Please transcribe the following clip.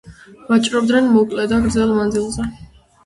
ვაჭრობდნენ მოკლე და გრძელ მანძილზე.